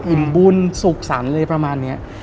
อิ่มบุญสุขสันอะไรประมาณนี้